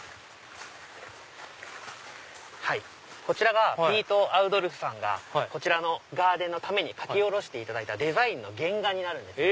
こちらピィトアゥドルフさんがこちらのガーデンのために書き下ろしていただいたデザインの原画になるんです。